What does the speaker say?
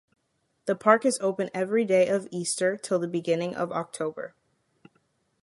The park is open every day of Easter till the beginning of October.